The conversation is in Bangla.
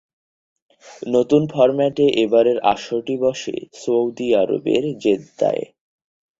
নতুন ফরম্যাটে এবারের আসরটি বসে সৌদি আরবের জেদ্দায়।